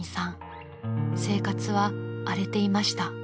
［生活は荒れていました］